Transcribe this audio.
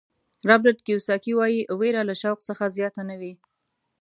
رابرټ کیوساکي وایي وېره له شوق څخه زیاته نه وي.